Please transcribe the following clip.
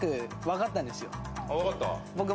わかった？